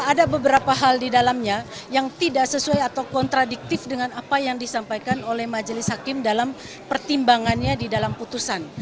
ada beberapa hal di dalamnya yang tidak sesuai atau kontradiktif dengan apa yang disampaikan oleh majelis hakim dalam pertimbangannya di dalam putusan